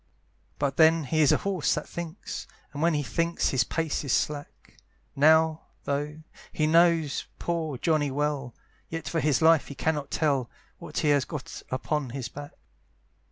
But then he is a horse that thinks! And when he thinks his pace is slack; Now, though he knows poor Johnny well, Yet for his life he cannot tell What he has got upon his back.